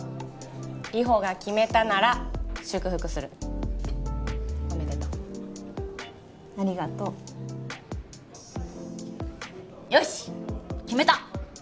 理歩が決めたなら祝福するおめでとうありがとうよし決めた！